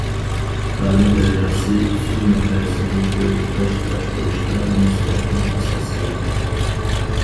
تارىم دەرياسى سۇ مەنبەسىنى بىر تۇتاش باشقۇرۇشتا مۇستەھكەم ئاساس سالدى.